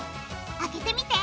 開けてみて！